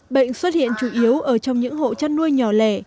bệnh xuất hiện chủ yếu ở trong những hộ chăn nuôi nhỏ lẻ